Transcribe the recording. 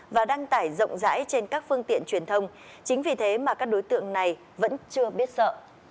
và đăng tải rộng rãi trên các phương tiện truyền thông chính vì thế mà các đối tượng này vẫn chưa biết sợ